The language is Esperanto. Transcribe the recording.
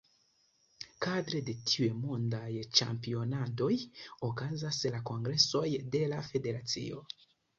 Kadre de tiuj mondaj ĉampionadoj okazas la kongresoj de la federacio.